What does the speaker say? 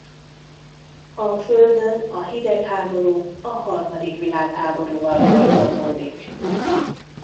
A Földön a hidegháború a harmadik világháborúval folytatódik.